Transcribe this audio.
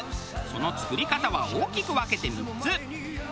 その作り方は大きく分けて３つ。